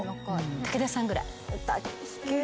武田さんぐらい。